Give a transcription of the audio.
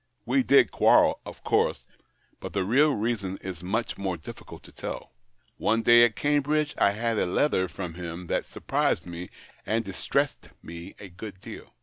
"VVe did quarrel, of course, but the real reason is much more difficult to tell. One day, at Cambridge, I had a letter from him that surprised me and distressed me a good deal.